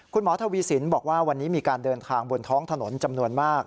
คุณหมอทวีสินบอกว่าวันนี้มีการเดินทางบนท้องถนนจำนวนมาก